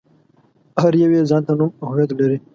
هر يو يې ځان ته نوم او هويت لري.